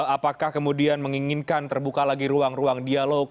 apakah kemudian menginginkan terbuka lagi ruang ruang dialog